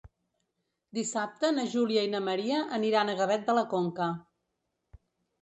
Dissabte na Júlia i na Maria aniran a Gavet de la Conca.